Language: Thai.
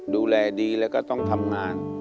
ดูแลดีแล้วก็ต้องทำงาน